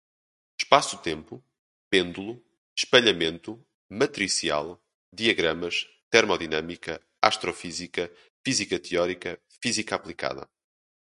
espaço-tempo, pêndulo, espalhamento, matricial, diagramas, termodinâmica, astrofísica, física teórica, física aplicada